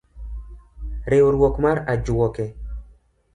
Riwruok mar ajwoke.